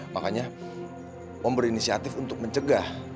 makanya om berinisiatif untuk mencegah